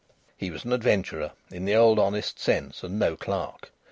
He was an adventurer, in the old honest sense, and no clerk.